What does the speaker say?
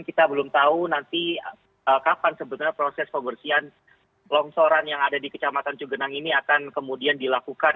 kita belum tahu nanti kapan sebenarnya proses pembersihan longsoran yang ada di kecamatan cugenang ini akan kemudian dilakukan